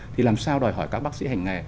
thì làm sao đòi hỏi các bác sĩ hành nghề